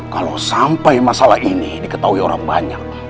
kalau sampai masalah ini diketahui orang banyak